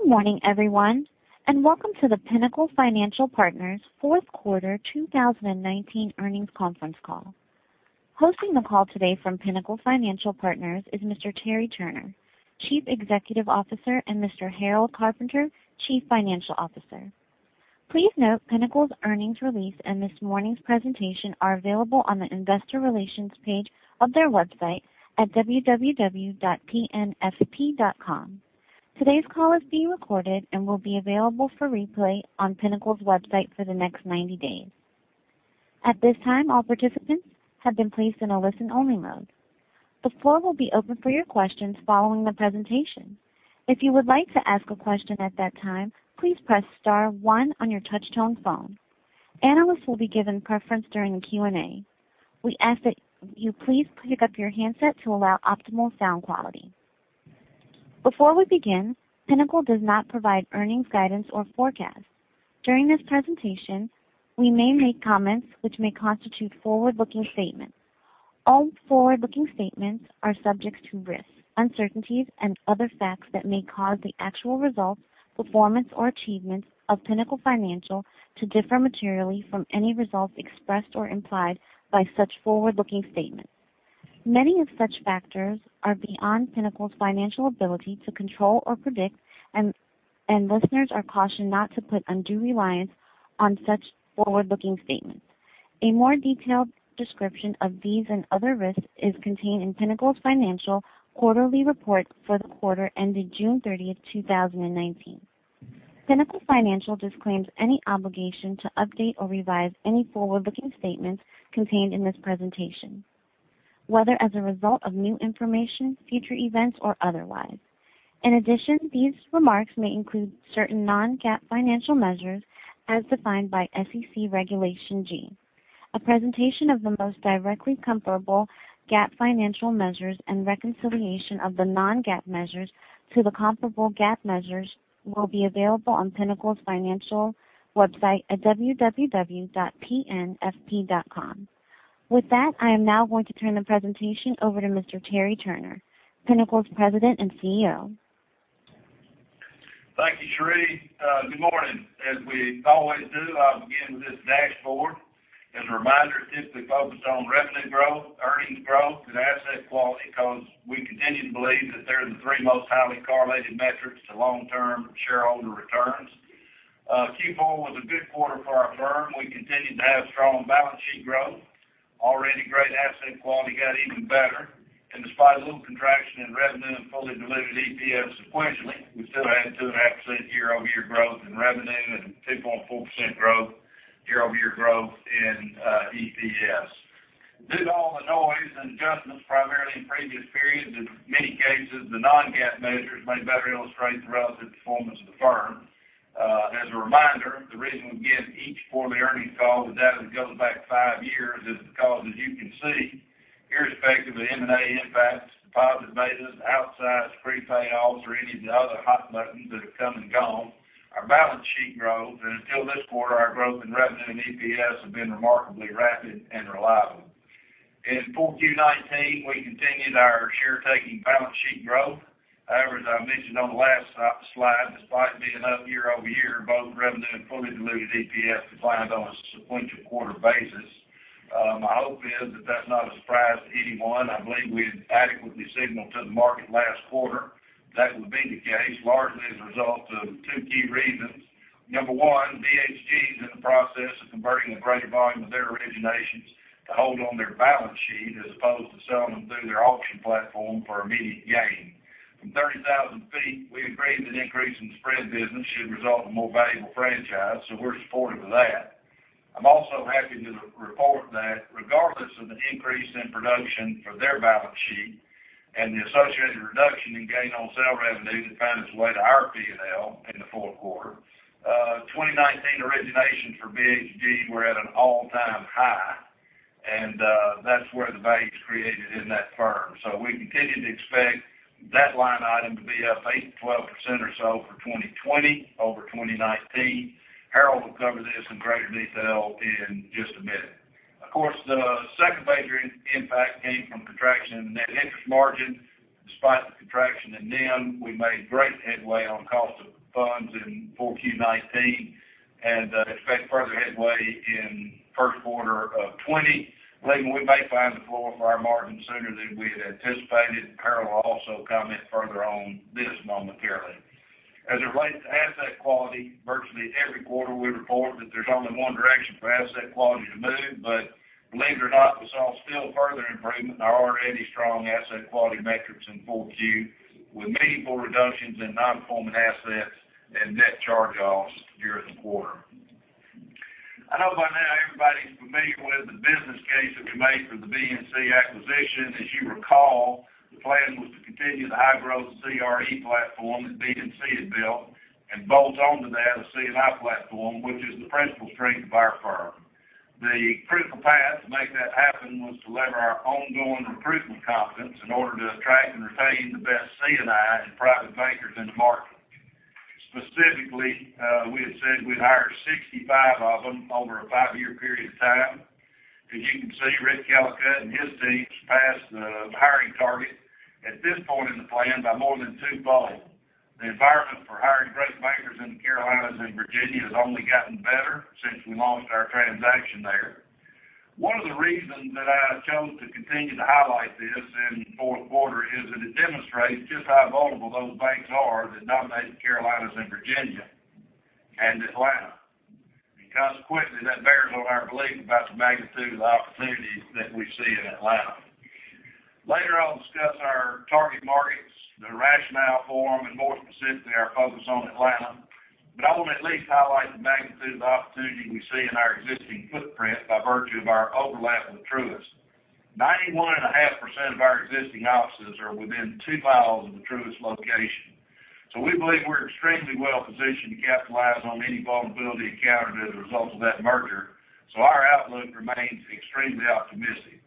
Good morning, everyone. Welcome to the Pinnacle Financial Partners' fourth quarter 2019 earnings conference call. Hosting the call today from Pinnacle Financial Partners is Mr. Terry Turner, Chief Executive Officer, and Mr. Harold Carpenter, Chief Financial Officer. Please note Pinnacle's earnings release and this morning's presentation are available on the investor relations page of their website at www.pnfp.com. Today's call is being recorded and will be available for replay on Pinnacle's website for the next 90 days. At this time, all participants have been placed in a listen-only mode. The floor will be open for your questions following the presentation. If you would like to ask a question at that time, please press star one on your touch-tone phone. Analysts will be given preference during the Q&A. We ask that you please pick up your handset to allow optimal sound quality. Before we begin, Pinnacle does not provide earnings guidance or forecasts. During this presentation, we may make comments which may constitute forward-looking statements. All forward-looking statements are subject to risks, uncertainties, and other facts that may cause the actual results, performance, or achievements of Pinnacle Financial to differ materially from any results expressed or implied by such forward-looking statements. Many of such factors are beyond Pinnacle's financial ability to control or predict, and listeners are cautioned not to put undue reliance on such forward-looking statements. A more detailed description of these and other risks is contained in Pinnacle's Financial quarterly report for the quarter ended June 30th, 2019. Pinnacle Financial disclaims any obligation to update or revise any forward-looking statements contained in this presentation, whether as a result of new information, future events, or otherwise. In addition, these remarks may include certain non-GAAP financial measures as defined by SEC Regulation G. A presentation of the most directly comparable GAAP financial measures and reconciliation of the non-GAAP measures to the comparable GAAP measures will be available on Pinnacle's Financial website at www.pnfp.com. With that, I am now going to turn the presentation over to Mr. Terry Turner, Pinnacle's President and CEO. Thank you, Cherie. Good morning. As we always do, I'll begin with this dashboard. As a reminder, it's simply focused on revenue growth, earnings growth, and asset quality because we continue to believe that they're the three most highly correlated metrics to long-term shareholder returns. Q4 was a good quarter for our firm. We continued to have strong balance sheet growth. Already great asset quality got even better, and despite a little contraction in revenue and fully diluted EPS sequentially, we still had 2.5% year-over-year growth in revenue and 2.4% year-over-year growth in EPS. Due to all the noise and adjustments, primarily in previous periods, in many cases, the non-GAAP measures may better illustrate the relative performance of the firm. As a reminder, the reason we give each quarterly earnings call is that it goes back five years is because, as you can see, irrespective of M&A impacts, deposit betas, outsizes, prepay offs, or any of the other hot buttons that have come and gone, our balance sheet growth, and until this quarter, our growth in revenue and EPS have been remarkably rapid and reliable. In 4Q19, we continued our share-taking balance sheet growth. However, as I mentioned on the last slide, despite being up year-over-year, both revenue and fully diluted EPS declined on a sequential quarter basis. My hope is that that's not a surprise to anyone. I believe we had adequately signaled to the market last quarter that would be the case, largely as a result of two key reasons. Number one, BHG is in the process of converting a greater volume of their originations to hold on their balance sheet as opposed to selling them through their auction platform for immediate gain. From 30,000 feet, we agree that an increase in the spread business should result in a more valuable franchise, we're supportive of that. I'm also happy to report that regardless of the increase in production for their balance sheet and the associated reduction in gain on sale revenue that found its way to our P&L in the fourth quarter, 2019 originations for BHG were at an all-time high, and that's where the value is created in that firm. We continue to expect that line item to be up 8%-12% or so for 2020 over 2019. Harold will cover this in greater detail in just a minute. Of course, the second major impact came from contraction in net interest margin. Despite the contraction in NIM, we made great headway on cost of funds in 4Q19 and expect further headway in first quarter of 2020, believing we may find the floor for our margin sooner than we had anticipated. Harold will also comment further on this momentarily. As it relates to asset quality, virtually every quarter we report that there's only one direction for asset quality to move, but believe it or not, we saw still further improvement in our already strong asset quality metrics in 4Q, with meaningful reductions in non-performing assets and net charge-offs during the quarter. I know by now everybody's familiar with the business case that we made for the BNC acquisition. As you recall, the plan was to continue the high-growth CRE platform that BNC had built and bolt on to that a C&I platform, which is the principal strength of our firm. The critical path to make that happen was to lever our ongoing improvement competence in order to attract and retain the best C&I and private bankers in the market. Specifically, we had said we'd hire 65 of them over a five-year period of time. As you can see, Rick Callicutt and his team surpassed the hiring target at this point in the plan by more than two-fold. The environment for hiring great bankers in the Carolinas and Virginia has only gotten better since we launched our transaction there. One of the reasons that I chose to continue to highlight this in the fourth quarter is that it demonstrates just how vulnerable those banks are that dominate the Carolinas and Virginia and Atlanta. Consequently, that bears on our belief about the magnitude of the opportunities that we see in Atlanta. Later, I'll discuss our target markets, the rationale for them, and more specifically, our focus on Atlanta. I want to at least highlight the magnitude of the opportunity we see in our existing footprint by virtue of our overlap with Truist. 91.5% of our existing offices are within two miles of a Truist location. We believe we're extremely well-positioned to capitalize on any vulnerability encountered as a result of that merger, so our outlook remains extremely optimistic.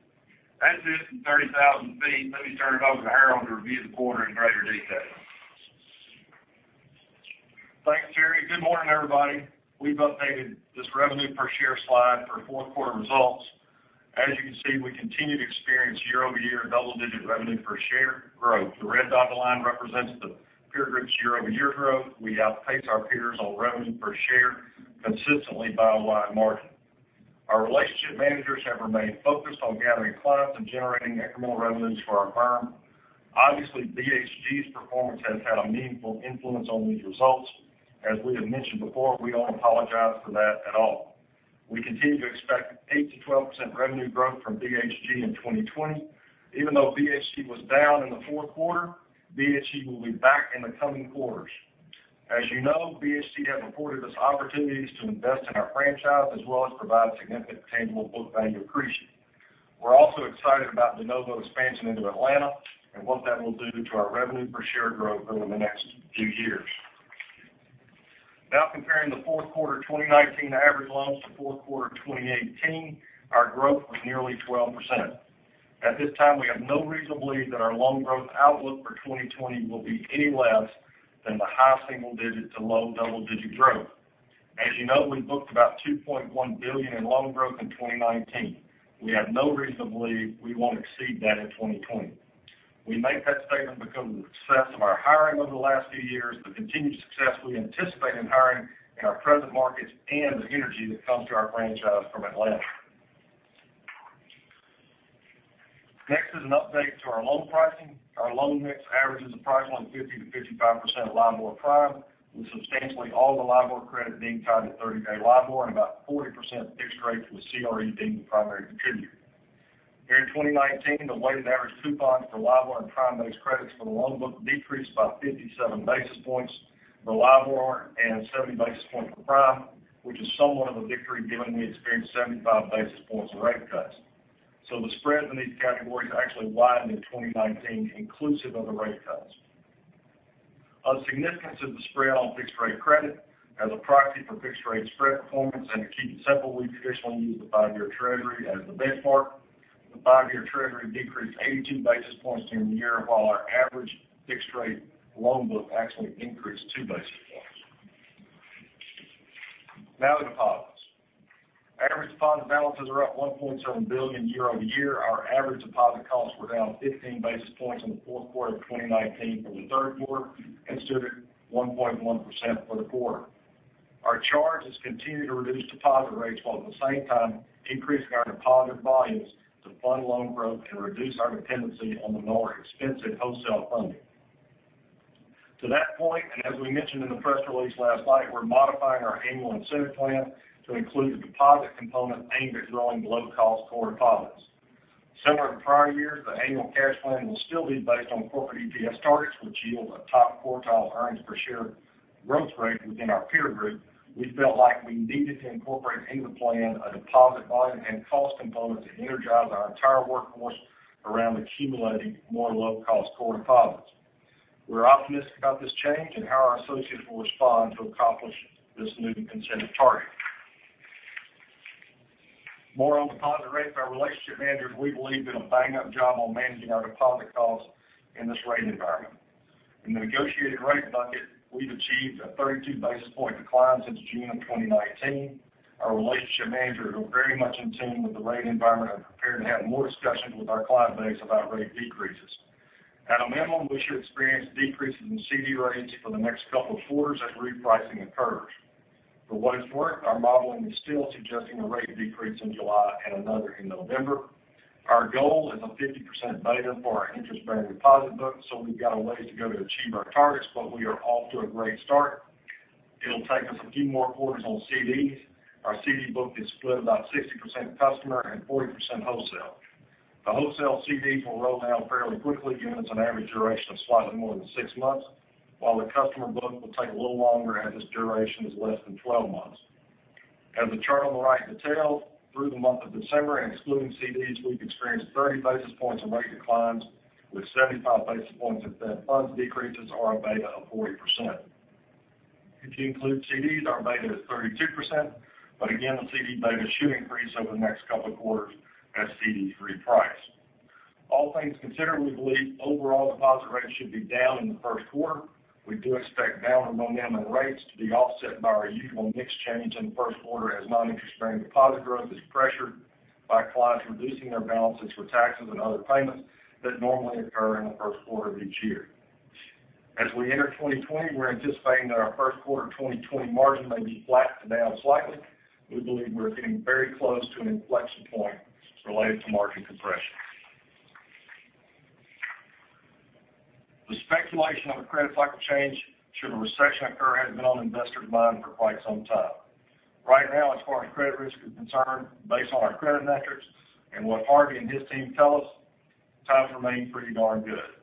That's it from 30,000 feet. Let me turn it over to Harold to review the quarter in greater detail. Thanks, Terry. Good morning, everybody. We've updated this revenue per share slide for fourth quarter results. As you can see, we continue to experience year-over-year double-digit revenue per share growth. The red dotted line represents the peer group's year-over-year growth. We outpace our peers on revenue per share consistently by a wide margin. Our relationship managers have remained focused on gathering clients and generating incremental revenues for our firm. Obviously, BHG's performance has had a meaningful influence on these results. As we have mentioned before, we don't apologize for that at all. We continue to expect 8%-12% revenue growth from BHG in 2020. Even though BHG was down in the fourth quarter, BHG will be back in the coming quarters. As you know, BHG has afforded us opportunities to invest in our franchise as well as provide significant tangible book value accretion. We're also excited about de novo expansion into Atlanta and what that will do to our revenue per share growth over the next few years. Now comparing the fourth quarter 2019 average loans to fourth quarter 2018, our growth was nearly 12%. At this time, we have no reason to believe that our loan growth outlook for 2020 will be any less than the high single digit to low double-digit growth. As you know, we booked about $2.1 billion in loan growth in 2019. We have no reason to believe we won't exceed that in 2020. We make that statement because of the success of our hiring over the last few years, the continued success we anticipate in hiring in our present markets, and the synergy that comes to our franchise from Atlanta. Next is an update to our loan pricing. Our loan mix averages approximately 50% to 55% LIBOR prime, with substantially all the LIBOR credit being tied to 30-day LIBOR and about 40% fixed rate with CRE being the primary contributor. During 2019, the weighted average coupon for LIBOR and prime-based credits for the loan book decreased by 57 basis points for LIBOR and 70 basis points for prime, which is somewhat of a victory given we experienced 75 basis points of rate cuts. The spreads in these categories actually widened in 2019 inclusive of the rate cuts. Of significance is the spread on fixed-rate credit as a proxy for fixed-rate spread performance, and to keep it simple, we traditionally use the five-year Treasury as the benchmark. The five-year Treasury decreased 82 basis points during the year, while our average fixed-rate loan book actually increased two basis points. The deposits. Average deposit balances are up $1.7 billion year-over-year. Our average deposit costs were down 15 basis points in the fourth quarter of 2019 from the third quarter and stood at 1.1% for the quarter. Our charge has continued to reduce deposit rates while at the same time increasing our deposit volumes to fund loan growth and reduce our dependency on the more expensive wholesale funding. To that point, and as we mentioned in the press release last night, we are modifying our annual incentive plan to include a deposit component aimed at growing low-cost core deposits. Similar to prior years, the annual cash plan will still be based on corporate EPS targets, which yield a top quartile earnings per share growth rate within our peer group. We felt like we needed to incorporate into the plan a deposit volume and cost component to energize our entire workforce around accumulating more low-cost core deposits. We're optimistic about this change and how our associates will respond to accomplish this new incentive target. More on deposit rates, our relationship managers, we believe, did a bang-up job on managing our deposit costs in this rate environment. In the negotiated rate bucket, we've achieved a 32 basis point decline since June of 2019. Our relationship managers, who are very much in tune with the rate environment, are prepared to have more discussions with our client base about rate decreases. At a minimum, we should experience decreases in CD rates for the next couple of quarters as repricing occurs. For what it's worth, our modeling is still suggesting a rate decrease in July and another in November. Our goal is a 50% beta for our interest-bearing deposit book, so we've got a ways to go to achieve our targets, but we are off to a great start. It'll take us a few more quarters on CDs. Our CD book is split about 60% customer and 40% wholesale. The wholesale CDs will roll down fairly quickly given it's an average duration of slightly more than six months, while the customer book will take a little longer as its duration is less than 12 months. As the chart on the right details, through the month of December and excluding CDs, we've experienced 30 basis points of rate declines, with 75 basis points of funds decreases, or a beta of 40%. If you include CDs, our beta is 32%. Again, the CD beta should increase over the next couple of quarters as CDs reprice. All things considered, we believe overall deposit rates should be down in the first quarter. We do expect down momentum in rates to be offset by our usual mix change in the first quarter, as non-interest bearing deposit growth is pressured by clients reducing their balances for taxes and other payments that normally occur in the first quarter of each year. As we enter 2020, we're anticipating that our first quarter 2020 margin may be flat to down slightly. We believe we're getting very close to an inflection point related to margin compression. The speculation of a credit cycle change should a recession occur has been on investors' mind for quite some time. Right now, as far as credit risk is concerned, based on our credit metrics and what Harvey and his team tell us, times remain pretty darn good.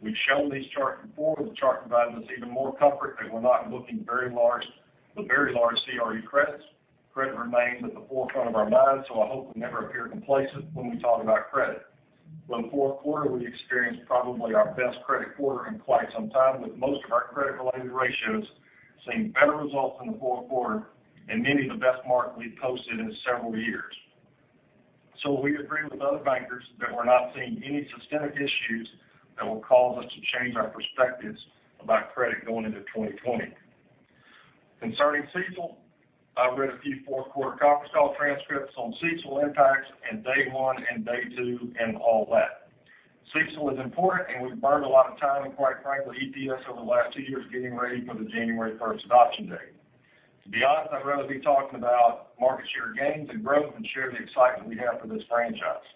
We've shown these charts before. The chart provides us even more comfort that we're not looking the very large CRE credits. Credit remains at the forefront of our minds. I hope we never appear complacent when we talk about credit. Well, in the fourth quarter, we experienced probably our best credit quarter in quite some time, with most of our credit-related ratios seeing better results in the fourth quarter and many of the best margin we've posted in several years. We agree with other bankers that we're not seeing any substantive issues that will cause us to change our perspectives about credit going into 2020. Concerning CECL, I read a few fourth quarter conference call transcripts on CECL impacts and day one and day two and all that. CECL is important, and we've burned a lot of time, and quite frankly, EPS over the last two years, getting ready for the January 1st adoption date. To be honest, I'd rather be talking about market share gains and growth and share the excitement we have for this franchise.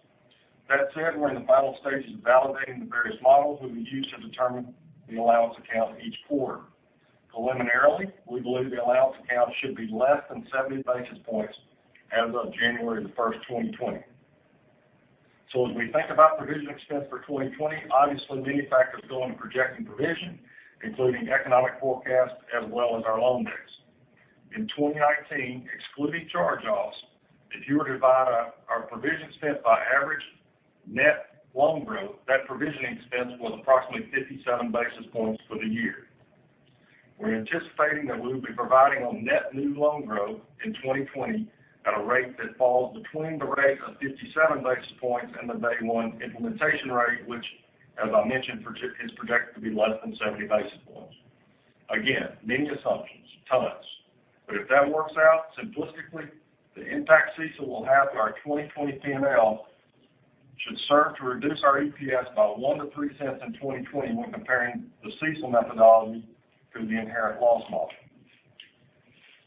That said, we're in the final stages of validating the various models that we use to determine the allowance account each quarter. Preliminarily, we believe the allowance account should be less than 70 basis points as of January the 1st, 2020. As we think about provision expense for 2020, obviously many factors go into projecting provision, including economic forecast as well as our loan mix. In 2019, excluding charge-offs, if you were to divide our provision expense by average net loan growth, that provisioning expense was approximately 57 basis points for the year. We're anticipating that we will be providing on net new loan growth in 2020 at a rate that falls between the rate of 57 basis points and the day one implementation rate, which as I mentioned, is projected to be less than 70 basis points. Again, many assumptions, tons. If that works out, simplistically, the impact CECL will have to our 2020 P&L should serve to reduce our EPS by $0.01-$0.03 in 2020 when comparing the CECL methodology to the incurred loss model.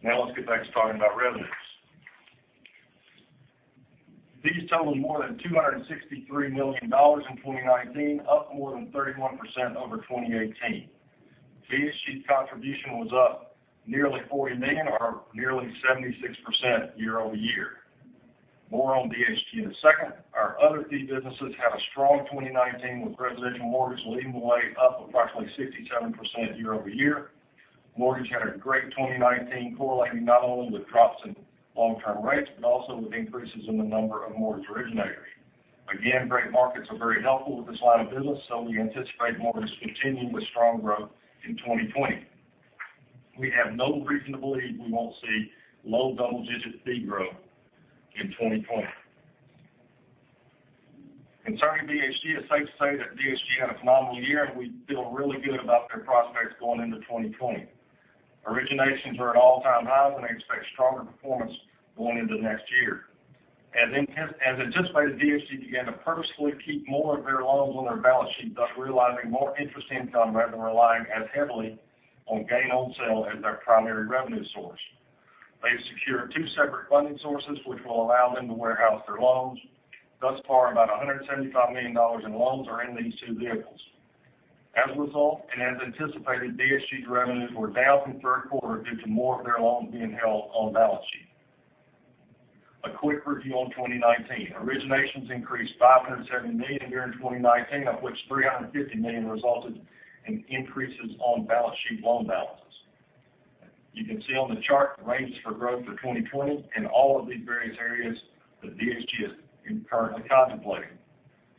Now let's get back to talking about revenues. Fees totals more than $263 million in 2019, up more than 31% over 2018. BHG contribution was up nearly $40 million or nearly 76% year-over-year. More on BHG in a second. Our other fee businesses had a strong 2019 with residential mortgage leading the way up approximately 67% year-over-year. Mortgage had a great 2019 correlating not only with drops in long-term rates but also with increases in the number of mortgage originators. Again, great markets are very helpful with this line of business, so we anticipate mortgage continuing with strong growth in 2020. We have no reason to believe we won't see low double-digit fee growth in 2020. Concerning BHG, it's safe to say that BHG had a phenomenal year, and we feel really good about their prospects going into 2020. Originations are at all-time highs, and I expect stronger performance going into next year. As anticipated, BHG began to purposefully keep more of their loans on their balance sheet, thus realizing more interest income rather than relying as heavily on gain on sale as their primary revenue source. They've secured two separate funding sources which will allow them to warehouse their loans. Thus far, about $175 million in loans are in these two vehicles. As a result, and as anticipated, BHG's revenues were down from third quarter due to more of their loans being held on balance sheet. A quick review on 2019. Originations increased $570 million during 2019, of which $350 million resulted in increases on balance sheet loan balances. You can see on the chart the ranges for growth for 2020 in all of these various areas that BHG is currently contemplating.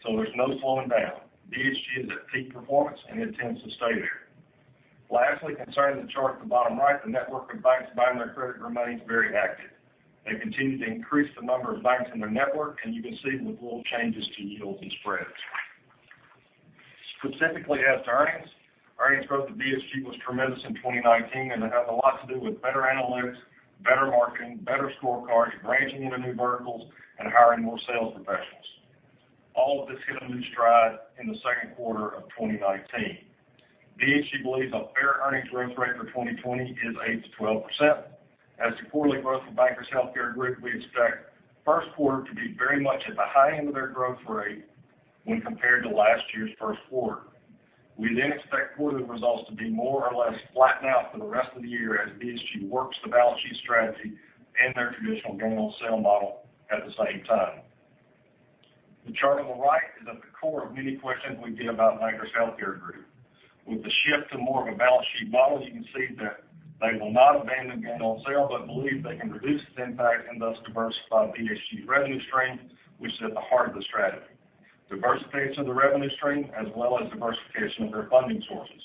There's no slowing down. BHG is at peak performance and intends to stay there. Lastly, concerning the chart at the bottom right, the network of banks buying their credit remains very active. They've continued to increase the number of banks in their network, and you can see with little changes to yields and spreads. Specifically as to earnings growth at BHG was tremendous in 2019, and it has a lot to do with better analytics, better marketing, better scorecards, branching into new verticals, and hiring more sales professionals. All of this hit a new stride in the second quarter of 2019. BHG believes a fair earnings growth rate for 2020 is 8%-12%. As to quarterly growth for Bankers Healthcare Group, we expect first quarter to be very much at the high end of their growth rate when compared to last year's first quarter. We expect quarterly results to be more or less flatten out for the rest of the year as BHG works the balance sheet strategy and their traditional gain on sale model at the same time. The chart on the right is at the core of many questions we get about Bankers Healthcare Group. With the shift to more of a balance sheet model, you can see that they will not abandon gain on sale but believe they can reduce its impact and thus diversify BHG's revenue stream, which is at the heart of the strategy. Diversification of the revenue stream as well as diversification of their funding sources.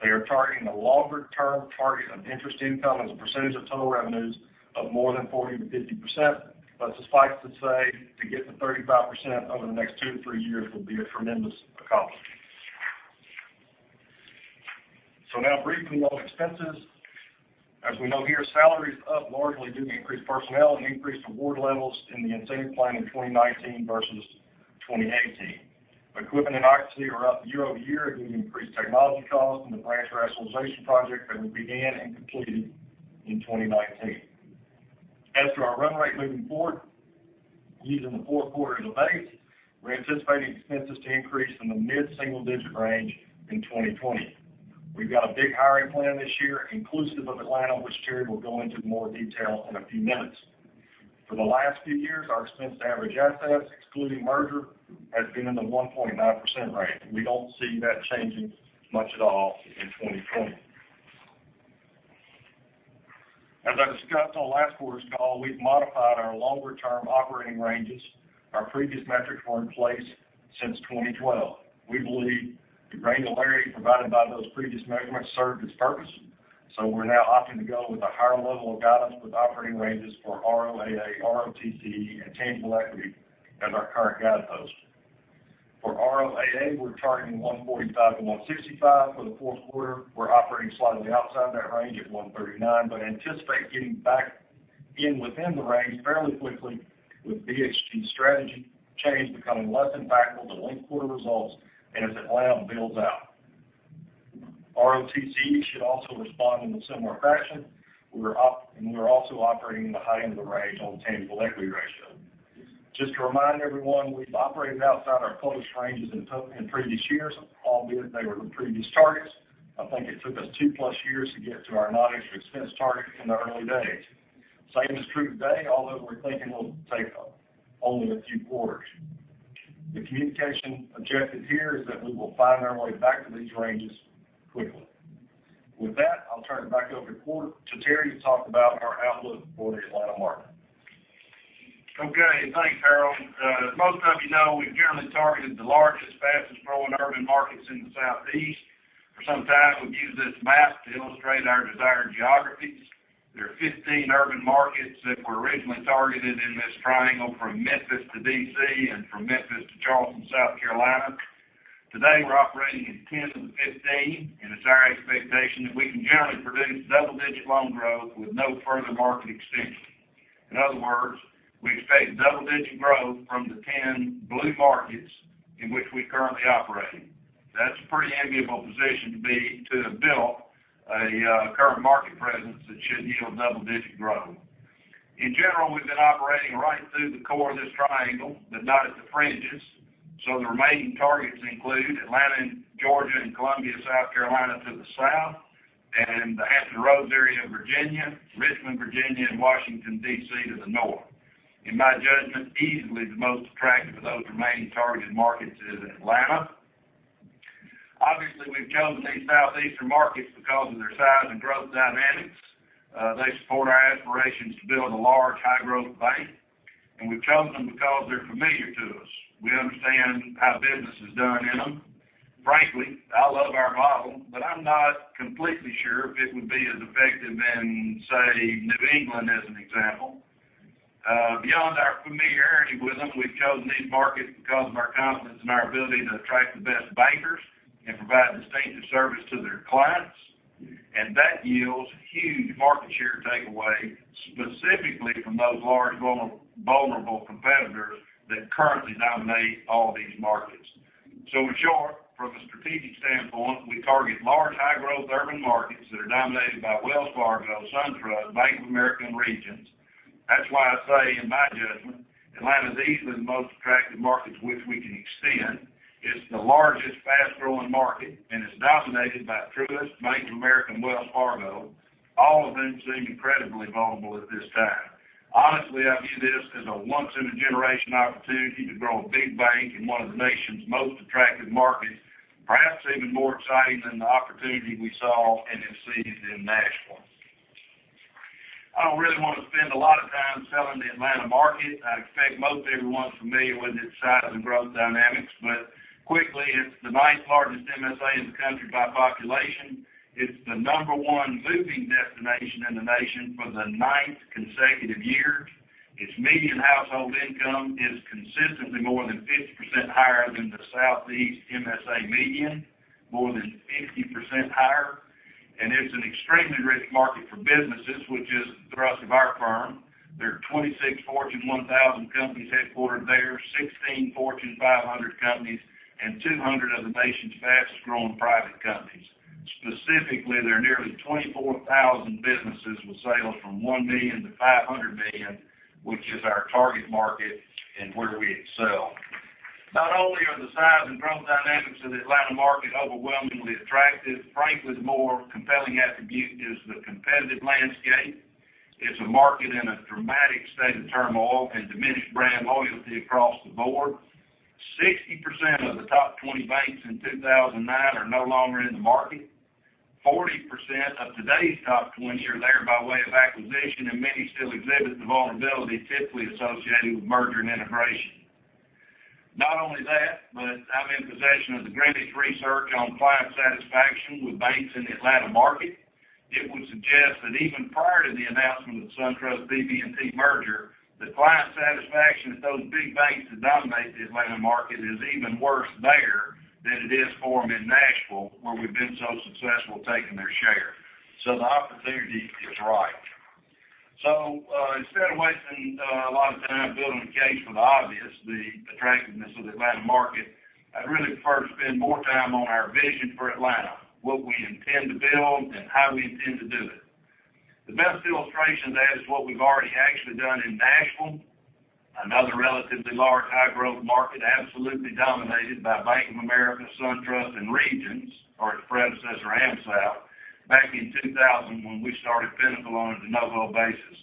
They are targeting a longer-term target of interest income as a percentage of total revenues of more than 40%-50%. Suffice to say, to get to 35% over the next two to three years will be a tremendous accomplishment. Now briefly on expenses. As we know here, salaries up largely due to increased personnel and increased award levels in the incentive plan in 2019 versus 2018. Equipment and IT are up year-over-year due to increased technology costs and the branch rationalization project that we began and completed in 2019. As for our run rate moving forward, using the fourth quarter as a base, we're anticipating expenses to increase in the mid-single digit range in 2020. We've got a big hiring plan this year, inclusive of Atlanta, which Terry will go into more detail in a few minutes. For the last few years, our expense to average assets, excluding merger, has been in the 1.9% range. We don't see that changing much at all in 2020. As I discussed on last quarter's call, we've modified our longer-term operating ranges. Our previous metrics were in place since 2012. We believe the granularity provided by those previous measurements served its purpose, so we're now opting to go with a higher level of guidance with operating ranges for ROAA, ROTCE, and tangible equity as our current guideposts. For ROAA, we're targeting 145-165 for the fourth quarter. We're operating slightly outside that range at 139, but anticipate getting back within the range fairly quickly with BHG's strategy change becoming less impactful to linked quarter results, and as Atlanta builds out. ROTCE should also respond in a similar fashion. We're also operating in the high end of the range on tangible equity ratio. Just to remind everyone, we've operated outside our published ranges in previous years, albeit they were the previous targets. I think it took us two plus years to get to our non-interest expense target in the early days. Same is true today, although we're thinking it'll take only a few quarters. The communication objective here is that we will find our way back to these ranges quickly. With that, I'll turn it back over to Terry to talk about our outlook for the Atlanta market. Okay. Thanks, Harold. As most of you know, we've generally targeted the largest, fastest-growing urban markets in the Southeast. For some time, we've used this map to illustrate our desired geographies. There are 15 urban markets that were originally targeted in this triangle from Memphis to D.C. and from Memphis to Charleston, South Carolina. Today, we're operating in 10 of the 15, and it's our expectation that we can generally produce double-digit loan growth with no further market extension. In other words, we expect double-digit growth from the 10 blue markets in which we currently operate. That's a pretty enviable position to be, to have built a current market presence that should yield double-digit growth. In general, we've been operating right through the core of this triangle, but not at the fringes. The remaining targets include Atlanta, Georgia, and Columbia, South Carolina to the south, and the Hampton Roads area of Virginia, Richmond, Virginia, and Washington, D.C. to the north. In my judgment, easily the most attractive of those remaining targeted markets is Atlanta. Obviously, we've chosen these southeastern markets because of their size and growth dynamics. They support our aspirations to build a large, high-growth bank. We've chosen them because they're familiar to us. We understand how business is done in them. Frankly, I love our model, but I'm not completely sure if it would be as effective in, say, New England as an example. Beyond our familiarity with them, we've chosen these markets because of our confidence in our ability to attract the best bankers and provide distinctive service to their clients. That yields huge market share takeaway, specifically from those large, vulnerable competitors that currently dominate all these markets. In short, from a strategic standpoint, we target large, high-growth urban markets that are dominated by Wells Fargo, SunTrust, Bank of America, and Regions. That's why I say, in my judgment, Atlanta is easily the most attractive market which we can extend. It's the largest, fast-growing market, and it's dominated by Truist, Bank of America, and Wells Fargo, all of whom seem incredibly vulnerable at this time. Honestly, I view this as a once-in-a-generation opportunity to grow a big bank in one of the nation's most attractive markets, perhaps even more exciting than the opportunity we saw and have seized in Nashville. I don't really want to spend a lot of time selling the Atlanta market. I expect most everyone's familiar with its size and growth dynamics. Quickly, it's the ninth-largest MSA in the country by population. It's the number one moving destination in the nation for the ninth consecutive year. Its median household income is consistently more than 50% higher than the Southeast MSA median, more than 50% higher. It's an extremely rich market for businesses, which is the thrust of our firm. There are 26 Fortune 1000 companies headquartered there, 16 Fortune 500 companies, and 200 of the nation's fastest-growing private companies. Specifically, there are nearly 24,000 businesses with sales from $1 million-$500 million, which is our target market and where we excel. Not only are the size and growth dynamics of the Atlanta market overwhelmingly attractive, frankly, the more compelling attribute is the competitive landscape. It's a market in a dramatic state of turmoil and diminished brand loyalty across the board. 60% of the top 20 banks in 2009 are no longer in the market. 40% of today's top 20 are there by way of acquisition, and many still exhibit the vulnerability typically associated with merger and integration. Not only that, but I'm in possession of the Greenwich research on client satisfaction with banks in the Atlanta market. It would suggest that even prior to the announcement of the SunTrust BB&T merger, that client satisfaction at those big banks that dominate the Atlanta market is even worse there than it is for them in Nashville, where we've been so successful taking their share. The opportunity is right. Instead of wasting a lot of time building a case for the obvious, the attractiveness of the Atlanta market, I'd really prefer to spend more time on our vision for Atlanta, what we intend to build, and how we intend to do it. The best illustration of that is what we've already actually done in Nashville, another relatively large, high-growth market absolutely dominated by Bank of America, SunTrust, and Regions, or its predecessor, AmSouth, back in 2000 when we started Pinnacle on a de novo basis.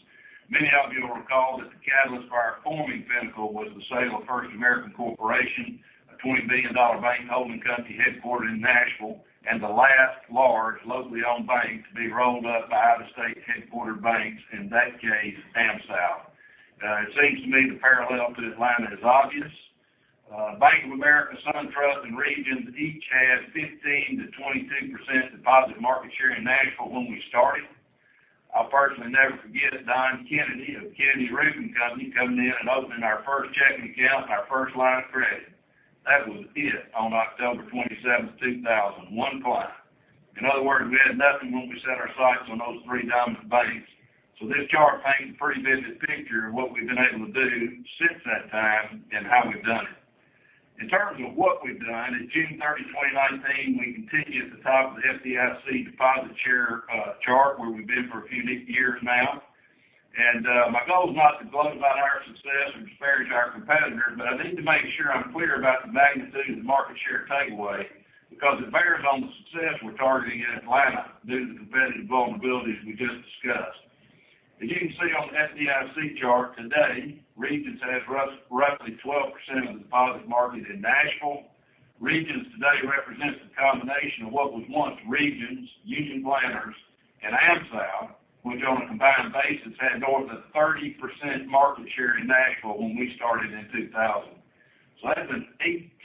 Many of you will recall that the catalyst for our forming Pinnacle was the sale of First American Corporation, a $20 billion bank holding company headquartered in Nashville, and the last large, locally-owned bank to be rolled up by out-of-state headquartered banks, in that case, AmSouth. It seems to me the parallel to Atlanta is obvious. Bank of America, SunTrust, and Regions each had 15% to 22% deposit market share in Nashville when we started. I'll personally never forget Don Kennedy of Kennedy Roofing Company coming in and opening our first checking account and our first line of credit. That was it on October 27, 2000. One client. In other words, we had nothing when we set our sights on those three diamond banks. This chart paints a pretty vivid picture of what we've been able to do since that time, and how we've done it. In terms of what we've done, as of June 30, 2019, we continue at the top of the FDIC deposit share chart, where we've been for a few years now. My goal is not to gloat about our success or disparage our competitors, but I need to make sure I'm clear about the magnitude of the market share takeaway, because it bears on the success we're targeting in Atlanta due to the competitive vulnerabilities we just discussed. As you can see on the FDIC chart today, Regions has roughly 12% of the deposit market in Nashville. Regions today represents the combination of what was once Regions, Union Planters, and AmSouth, which on a combined basis, had north of 30% market share in Nashville when we started in 2000. That's an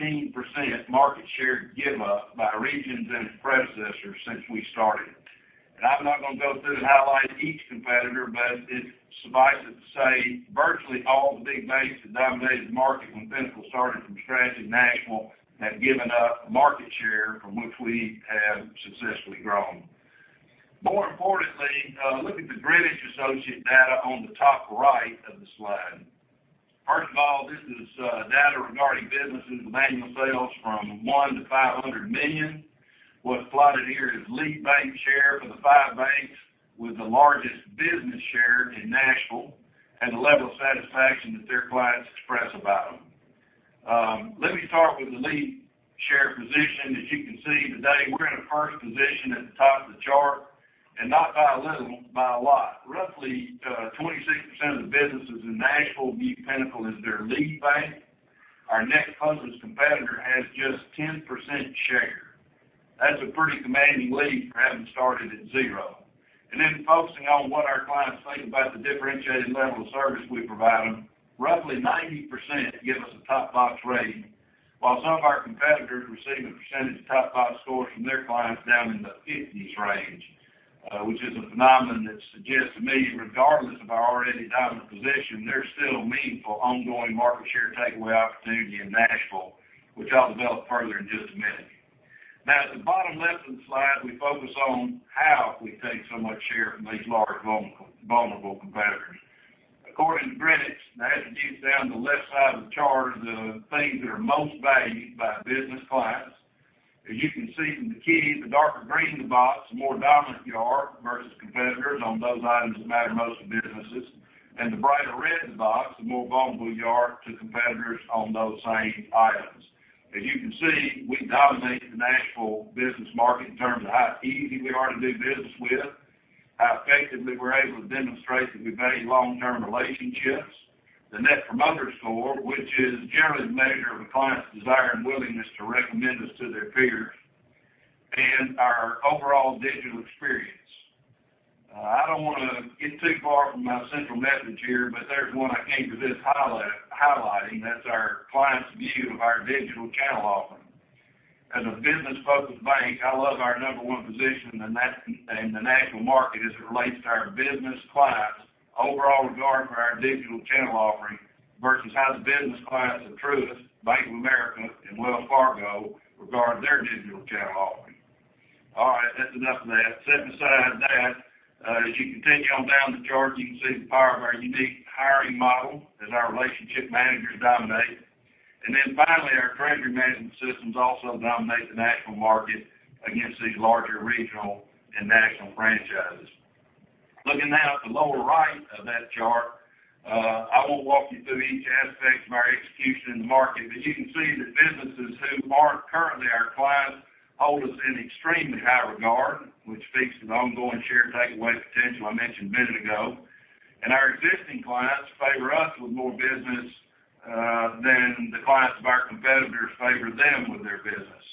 18% market share give up by Regions and its predecessors since we started. I'm not going to go through and highlight each competitor, but it suffices to say virtually all the big banks that dominated the market when Pinnacle started from scratch in Nashville have given up market share from which we have successfully grown. More importantly, look at the Greenwich Associates data on the top right of the slide. First of all, this is data regarding businesses with annual sales from 1 to $500 million. What's plotted here is lead bank share for the five banks with the largest business share in Nashville, and the level of satisfaction that their clients express about them. Let me start with the lead share position. As you can see, today, we're in a first position at the top of the chart, and not by a little, by a lot. Roughly 26% of the businesses in Nashville view Pinnacle as their lead bank. Our next closest competitor has just 10% share. That's a pretty commanding lead for having started at zero. Focusing on what our clients think about the differentiated level of service we provide them, roughly 90% give us a top box rating, while some of our competitors receive a percentage of top box scores from their clients down in the 50s range, which is a phenomenon that suggests to me, regardless of our already dominant position, there's still meaningful ongoing market share takeaway opportunity in Nashville, which I'll develop further in just a minute. At the bottom left of the slide, we focus on how we take so much share from these large, vulnerable competitors. According to Greenwich, as it shoots down the left side of the chart are the things that are most valued by business clients. As you can see from the key, the darker green the box, the more dominant you are versus competitors on those items that matter most to businesses, and the brighter red the box, the more vulnerable you are to competitors on those same items. As you can see, we dominate the Nashville business market in terms of how easy we are to do business with, how effectively we're able to demonstrate that we value long-term relationships, the Net Promoter Score, which is generally the measure of a client's desire and willingness to recommend us to their peers, and our overall digital experience. I don't want to get too far from my central message here, but there's one I came to this highlighting, that's our clients' view of our digital channel offering. As a business-focused bank, I love our number one position in the Nashville market as it relates to our business clients' overall regard for our digital channel offering versus how the business clients of Truist, Bank of America, and Wells Fargo regard their digital channel offering. All right, that's enough of that. Setting aside that, as you continue on down the chart, you can see the power of our unique hiring model as our relationship managers dominate. Finally, our treasury management systems also dominate the national market against these larger regional and national franchises. Looking now at the lower right of that chart, I won't walk you through each aspect of our execution in the market, but you can see that businesses who aren't currently our clients hold us in extremely high regard, which speaks to the ongoing share takeaway potential I mentioned a minute ago. Our existing clients favor us with more business than the clients of our competitors favor them with their business.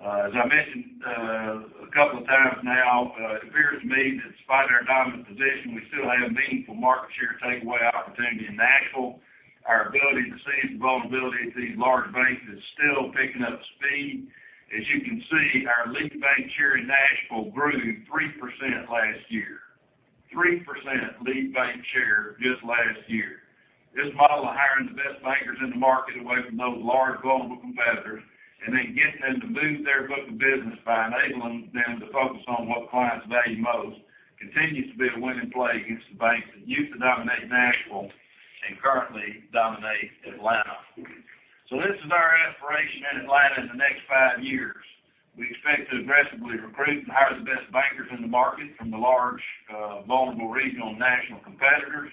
As I mentioned a couple of times now, it appears to me that despite our dominant position, we still have meaningful market share takeaway opportunity in Nashville. Our ability to seize the vulnerability of these large banks is still picking up speed. As you can see, our lead bank share in Nashville grew 3% last year. 3% lead bank share just last year. This model of hiring the best bankers in the market away from those large vulnerable competitors, and then getting them to move their book of business by enabling them to focus on what clients value most, continues to be a winning play against the banks that used to dominate Nashville and currently dominate Atlanta. This is our aspiration in Atlanta in the next five years. We expect to aggressively recruit and hire the best bankers in the market from the large, vulnerable regional and national competitors.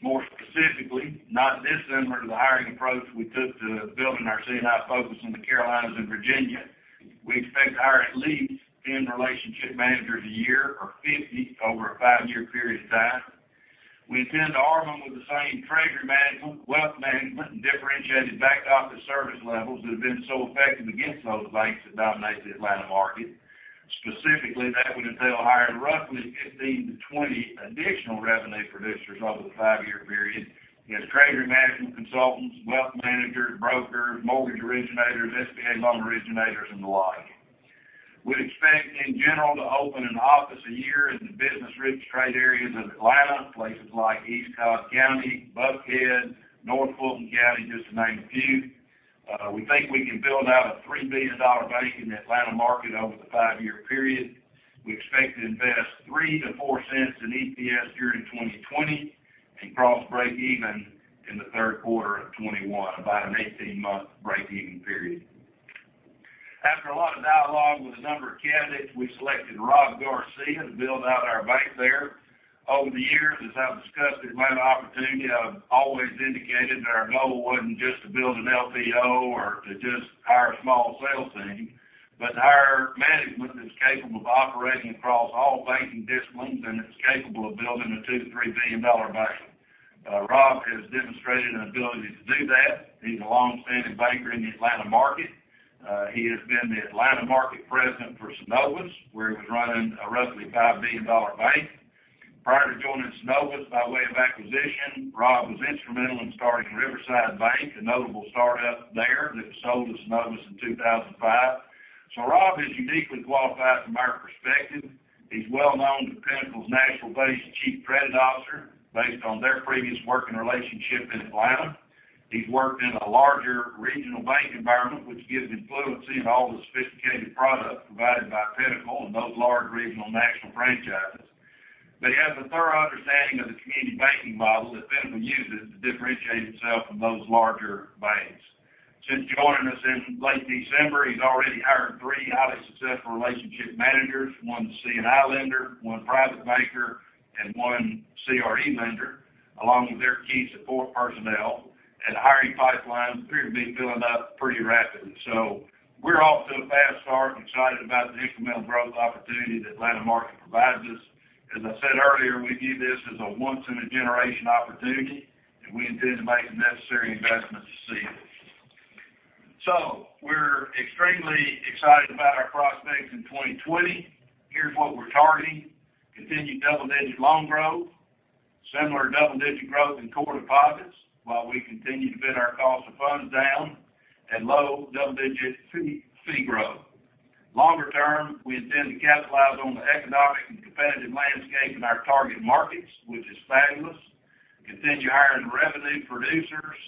More specifically, not dissimilar to the hiring approach we took to building our C&I focus in the Carolinas and Virginia, we expect to hire at least 10 relationship managers a year or 50 over a five-year period of time. We intend to arm them with the same treasury management, wealth management, and differentiated back-office service levels that have been so effective against those banks that dominate the Atlanta market. Specifically, that would entail hiring roughly 15 to 20 additional revenue producers over the five-year period as treasury management consultants, wealth managers, brokers, mortgage originators, SBA loan originators, and the like. We'd expect, in general, to open an office a year in the business-rich trade areas of Atlanta, places like East Cobb County, Buckhead, North Fulton County, just to name a few. We think we can build out a $3 billion bank in the Atlanta market over the five-year period. We expect to invest $0.03-$0.04 in EPS during 2020 and cross breakeven in the third quarter of 2021, about an 18-month breakeven period. After a lot of dialogue with a number of candidates, we selected Rob Garcia to build out our bank there. Over the years, as I've discussed the Atlanta opportunity, I've always indicated that our goal wasn't just to build an LPO or to just hire a small sales team, but to hire management that's capable of operating across all banking disciplines and that's capable of building a $2 billion-$3 billion bank. Rob has demonstrated an ability to do that. He's a longstanding banker in the Atlanta market. He has been the Atlanta market president for Synovus, where he was running a roughly $5 billion bank. Prior to joining Synovus by way of acquisition, Rob was instrumental in starting Riverside Bank, a notable startup there, that was sold to Synovus in 2005. Rob is uniquely qualified from our perspective. He's well-known to Pinnacle's Nashville-based chief credit officer, based on their previous working relationship in Atlanta. He's worked in a larger regional bank environment, which gives him fluency in all the sophisticated products provided by Pinnacle and those large regional national franchises. He has a thorough understanding of the community banking model that Pinnacle uses to differentiate itself from those larger banks. Since joining us in late December, he's already hired three highly successful relationship managers, one C&I lender, one private banker, and one CRE lender, along with their key support personnel. The hiring pipeline appears to be filling up pretty rapidly. We're off to a fast start and excited about the incremental growth opportunity the Atlanta market provides us. As I said earlier, we view this as a once-in-a-generation opportunity, and we intend to make the necessary investments to seize it. We're extremely excited about our prospects in 2020. Here's what we're targeting. Continued double-digit loan growth, similar double-digit growth in core deposits while we continue to bid our cost of funds down, and low double-digit fee growth. Longer term, we intend to capitalize on the economic and competitive landscape in our target markets, which is fabulous, continue hiring revenue producers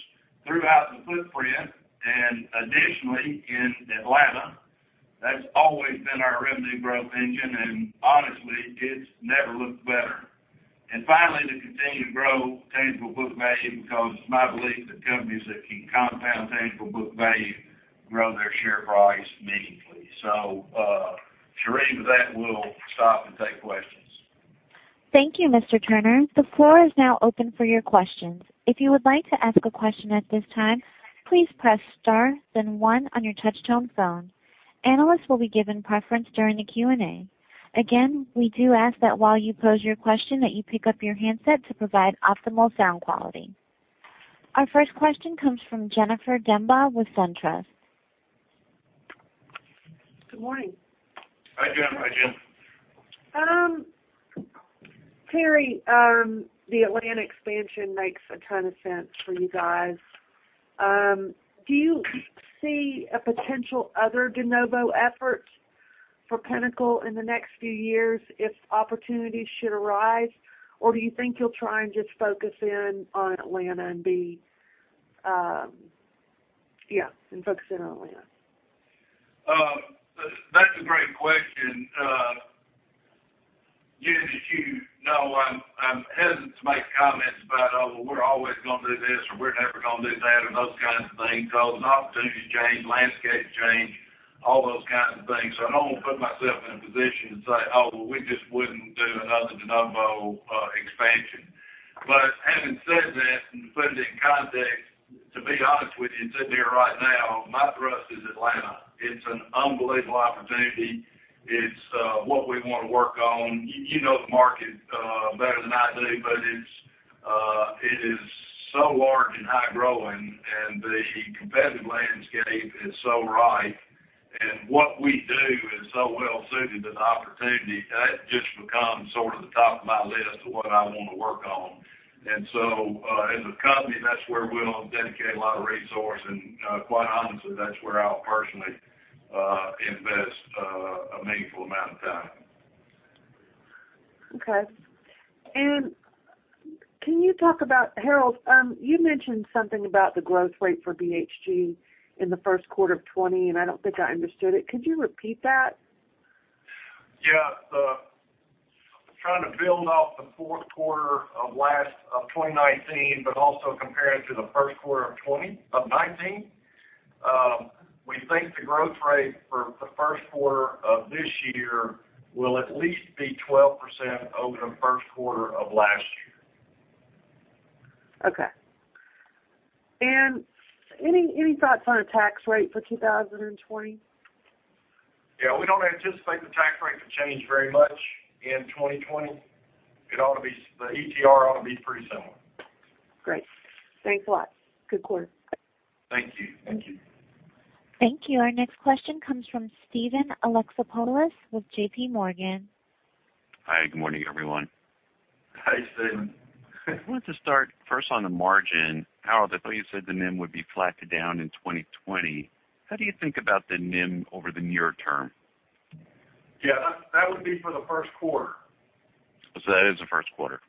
throughout the footprint, and additionally in Atlanta. That's always been our revenue growth engine, and honestly, it's never looked better. Finally, to continue to grow tangible book value because it's my belief that companies that can compound tangible book value grow their share price meaningfully. Shireen, with that, we'll stop and take questions. Thank you, Mr. Turner. The floor is now open for your questions. If you would like to ask a question at this time, please press star then one on your touchtone phone. Analysts will be given preference during the Q&A. We do ask that while you pose your question, that you pick up your handset to provide optimal sound quality. Our first question comes from Jennifer Demba with SunTrust. Good morning. Hi, Jen. Terry, the Atlanta expansion makes a ton of sense for you guys. Do you see a potential other de novo effort for Pinnacle in the next few years if opportunities should arise? Or do you think you'll try and just focus in on Atlanta? Yes, and focus in on Atlanta. That's a great question. Jen, as you know, I'm hesitant to make comments about, "Oh, well, we're always going to do this," or, "We're never going to do that," and those kinds of things, because opportunities change, landscapes change, all those kinds of things. I don't want to put myself in a position to say, "Oh, well, we just wouldn't do another de novo expansion." Having said that and to put it in context, to be honest with you, sitting here right now, my thrust is Atlanta. It's an unbelievable opportunity. It's what we want to work on. You know the market better than I do, but it is so large and high growing, and the competitive landscape is so right, and what we do is so well-suited to the opportunity. That just becomes sort of the top of my list of what I want to work on. As a company, that's where we'll dedicate a lot of resource, and quite honestly, that's where I'll personally invest a meaningful amount of time. Okay. Can you talk about, Harold, you mentioned something about the growth rate for BHG in the first quarter of 2020, and I don't think I understood it. Could you repeat that? Trying to build off the fourth quarter of 2019, also compare it to the first quarter of 2019. We think the growth rate for the first quarter of this year will at least be 12% over the first quarter of last year. Okay. Any thoughts on a tax rate for 2020? Yeah, we don't anticipate the tax rate to change very much in 2020. The ETR ought to be pretty similar. Great. Thanks a lot. Good quarter. Thank you. Thank you. Thank you. Our next question comes from Steven Alexopoulos with JPMorgan. Hi, good morning, everyone. Hi, Steven. I wanted to start first on the margin. Harold, I thought you said the NIM would be flat to down in 2020. How do you think about the NIM over the near term? Yeah, that would be for the first quarter. That is the first quarter.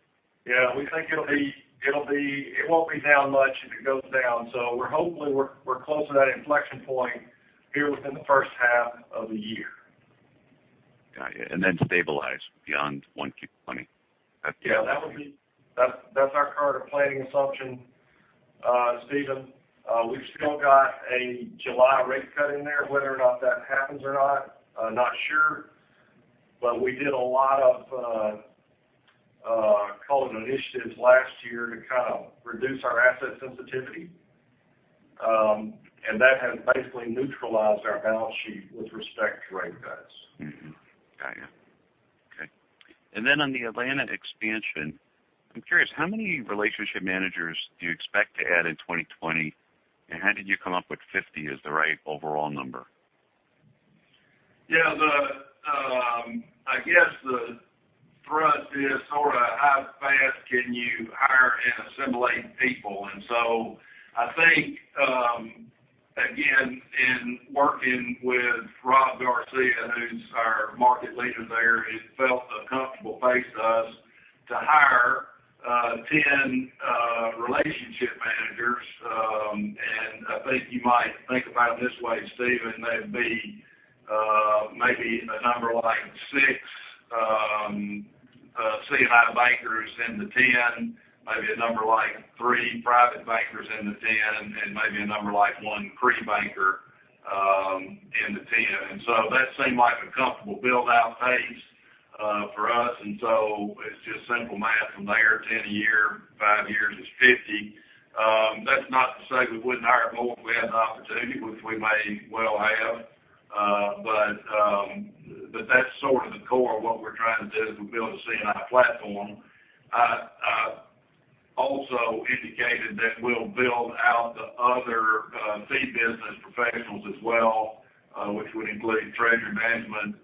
Yeah. We think it won't be down much if it goes down. Hopefully, we're close to that inflection point here within the first half of the year. Got you. Then stabilize beyond 1Q 2020. Yeah, that's our current planning assumption, Steven. We've still got a July rate cut in there. Whether or not that happens or not, I'm not sure. We did a lot of initiatives last year to kind of reduce our asset sensitivity. That has basically neutralized our balance sheet with respect to rate cuts. Mm-hmm. Got you. Okay. On the Atlanta expansion, I'm curious, how many relationship managers do you expect to add in 2020, and how did you come up with 50 as the right overall number? Yeah. I guess the thrust is sort of how fast can you hire and assimilate people. I think, again, in working with Rob Garcia, who's our market leader there, it felt a comfortable pace to us to hire 10 relationship managers. I think you might think about it this way, Steven, there'd be maybe a number like 6 C&I bankers in the 10, maybe a number like three private bankers in the 10, and maybe a number like 1 CRE banker in the 10. That seemed like a comfortable build-out pace for us. It's just simple math from there, 10 a year, five years is 50. That's not to say we wouldn't hire more if we had an opportunity, which we may well have. That's sort of the core of what we're trying to do is we build a C&I platform. I also indicated that we'll build out the other fee business professionals as well, which would include treasury management,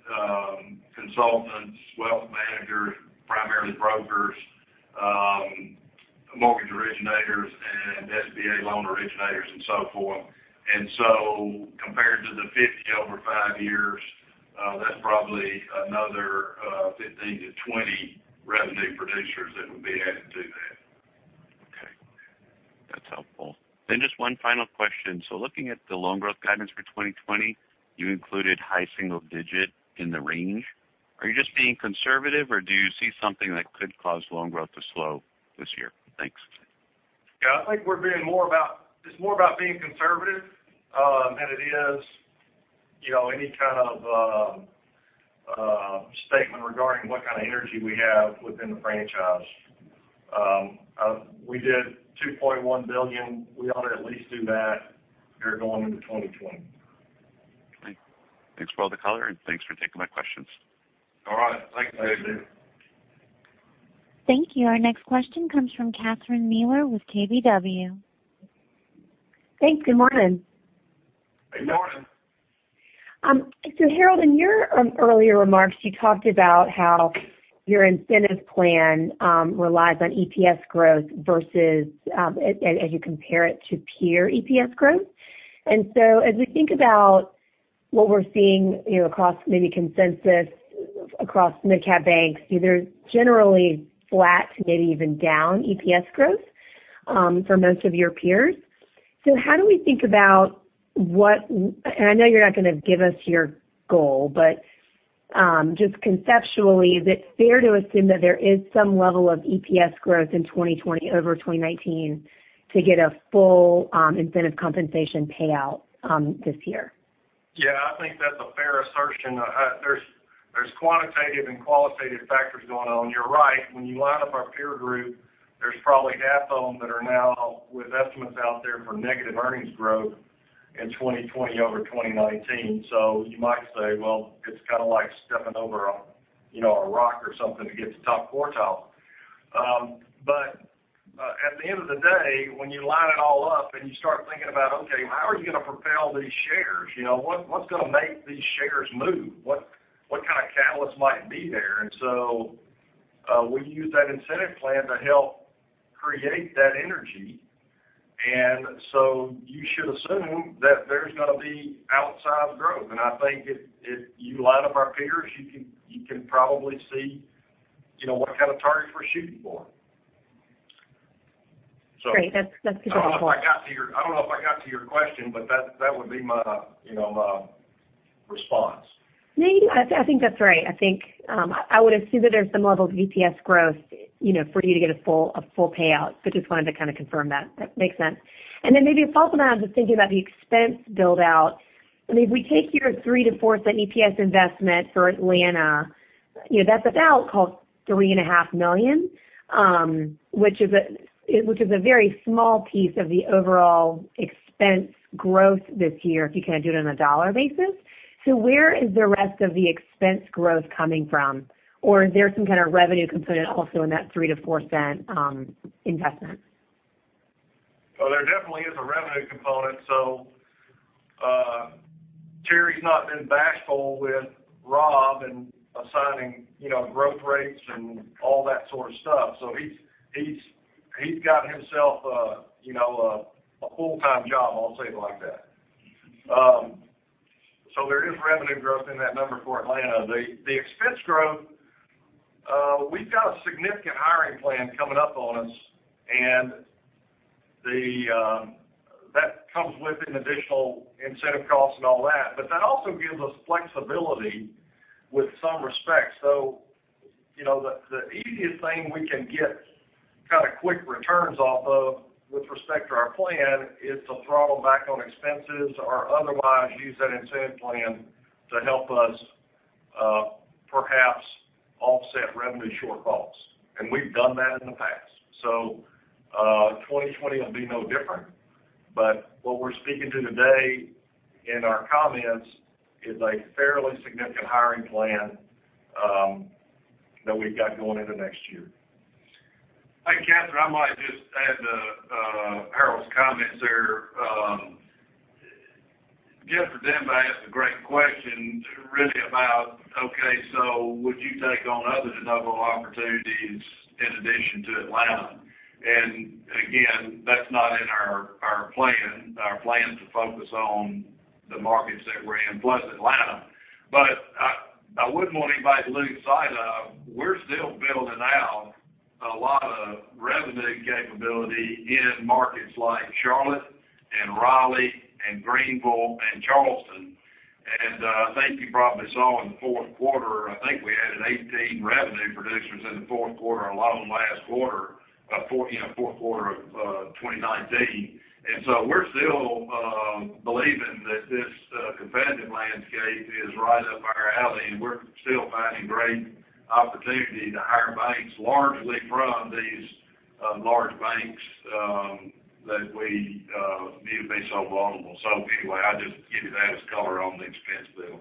consultants, wealth managers, primarily brokers, mortgage originators, and SBA loan originators and so forth. Compared to the 50 over five years, that's probably another 15-20 revenue producers that would be added to that. Okay. That's helpful. Just one final question. Looking at the loan growth guidance for 2020, you included high single digit in the range. Are you just being conservative, or do you see something that could cause loan growth to slow this year? Thanks. Yeah, I think it's more about being conservative than it is any kind of statement regarding what kind of energy we have within the franchise. We did $2.1 billion. We ought to at least do that here going into 2020. Okay. Thanks for all the color, and thanks for taking my questions. All right. Thanks. Thank you. Our next question comes from Katherine Mueller with KBW. Thanks. Good morning. Good morning. Harold, in your earlier remarks, you talked about how your incentives plan relies on EPS growth versus as you compare it to peer EPS growth. As we think about what we're seeing across maybe consensus across mid-cap banks, either generally flat to maybe even down EPS growth for most of your peers. How do we think about and I know you're not going to give us your goal, but just conceptually, is it fair to assume that there is some level of EPS growth in 2020 over 2019 to get a full incentive compensation payout this year? I think that's a fair assertion. There's quantitative and qualitative factors going on. You're right. When you line up our peer group, there's probably half of them that are now with estimates out there for negative earnings growth. In 2020, over 2019. You might say, well, it's kind of like stepping over a rock or something to get to top quartile. At the end of the day, when you line it all up and you start thinking about, okay, how are you going to propel these shares? What's going to make these shares move? What kind of catalyst might be there? We use that incentive plan to help create that energy. You should assume that there's going to be outsized growth. I think if you line up our peers, you can probably see what kind of target we're shooting for. Great. That's helpful. I don't know if I got to your question, but that would be my response. No, I think that's right. I would assume that there's some level of EPS growth for you to get a full payout. Just wanted to kind of confirm that. That makes sense. Maybe a follow on, I was just thinking about the expense build-out. If we take your $0.03 to $0.04 EPS investment for Atlanta, that's about, call it $ three and a half million, which is a very small piece of the overall expense growth this year, if you kind of do it on a dollar basis. Where is the rest of the expense growth coming from? Is there some kind of revenue component also in that $0.03 to $0.04 investment? There definitely is a revenue component. Terry's not been bashful with Rob in assigning growth rates and all that sort of stuff. He's got himself a full-time job, I'll tell you like that. There is revenue growth in that number for Atlanta. The expense growth, we've got a significant hiring plan coming up on us, and that comes with an additional incentive cost and all that. That also gives us flexibility with some respect. The easiest thing we can get kind of quick returns off of with respect to our plan is to throttle back on expenses or otherwise use that incentive plan to help us perhaps offset revenue shortfalls. We've done that in the past. 2020 will be no different. What we're speaking to today in our comments is a fairly significant hiring plan that we've got going into next year. Hey, Catherine, I might just add to Harold's comments there. Jennifer Demba asked a great question, really about, okay, so would you take on other de novo opportunities in addition to Atlanta? Again, that's not in our plan. Our plan is to focus on the markets that we're in, plus Atlanta. I wouldn't want anybody to lose sight of, we're still building out a lot of revenue capability in markets like Charlotte and Raleigh and Greenville and Charleston. I think you probably saw in the fourth quarter, I think we added 18 revenue producers in the fourth quarter, a lot of them last quarter, fourth quarter of 2019. We're still believing that this competitive landscape is right up our alley, and we're still finding great opportunity to hire banks largely from these large banks that we view to be so vulnerable. Anyway, I just give you that as color on the expense bill.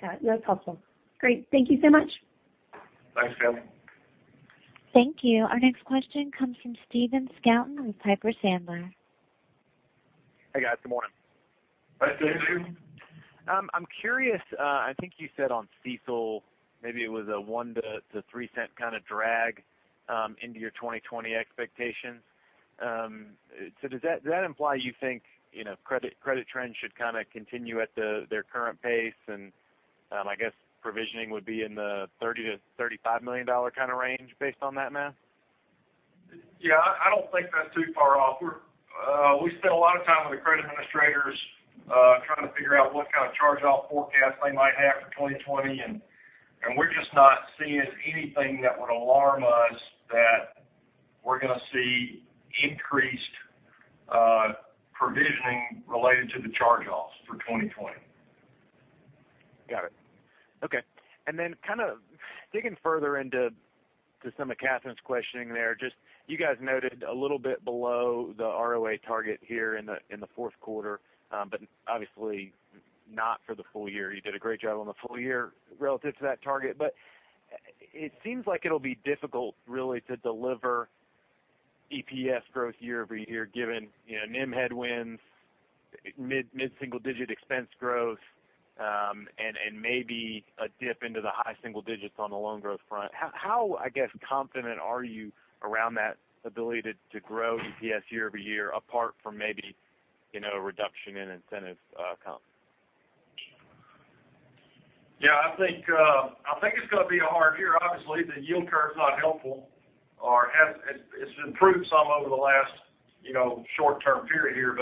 Got it. That's helpful. Great. Thank you so much. Thanks, Catherine. Thank you. Our next question comes from Stephen Scouten with Piper Sandler. Hey, guys. Good morning. Hi, Stephen. I'm curious, I think you said on CECL, maybe it was a $0.01-$0.03 kind of drag into your 2020 expectations. Does that imply you think credit trends should kind of continue at their current pace and I guess provisioning would be in the $30 million-$35 million kind of range based on that math? Yeah, I don't think that's too far off. We spent a lot of time with the credit administrators, trying to figure out what kind of charge-off forecast they might have for 2020, we're just not seeing anything that would alarm us that we're going to see increased provisioning related to the charge-offs for 2020. Got it. Okay. Kind of digging further into some of Catherine's questioning there, just you guys noted a little bit below the ROA target here in the fourth quarter, but obviously not for the full year. You did a great job on the full year relative to that target. It seems like it'll be difficult really to deliver EPS growth year-over-year, given NIM headwinds, mid-single digit expense growth, and maybe a dip into the high single digits on the loan growth front. How, I guess, confident are you around that ability to grow EPS year-over-year apart from maybe reduction in incentive comp? Yeah, I think it's going to be a hard year. Obviously, the yield curve's not helpful or it's improved some over the last short-term period here.